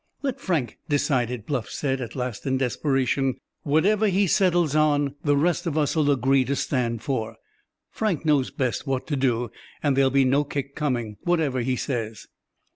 "Let Frank decide it," Bluff said at last in desperation. "Whatever he settles on the rest of us'll agree to stand for. Frank knows best what to do and there will be no kick coming, whatever he says."